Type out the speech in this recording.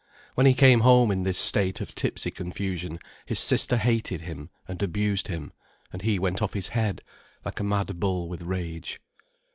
When he came home in this state of tipsy confusion his sister hated him and abused him, and he went off his head, like a mad bull with rage.